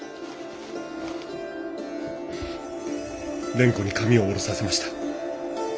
蓮子に髪を下ろさせました。